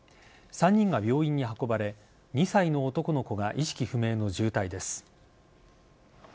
３人が病院に運ばれ２歳の男の子が意識不明の重体です。